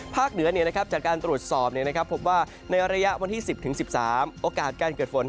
เหนือจากการตรวจสอบพบว่าในระยะวันที่๑๐๑๓โอกาสการเกิดฝน